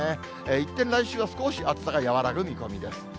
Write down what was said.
一転、来週は少し暑さが和らぐ見込みです。